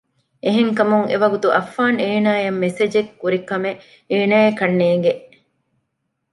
އެހެންކަމުން އެ ވަގުތު އައްފާން އޭނާއަށް މެސެޖެއް ކުރިކަމެއް އޭނާއަކަށް ނޭނގެ